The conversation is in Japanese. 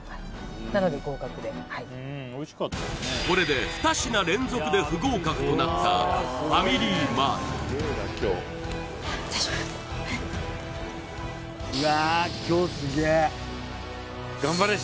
これで２品連続で不合格となったファミリーマートうわ続く